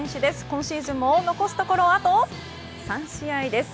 今シーズンも残すところあと３試合です。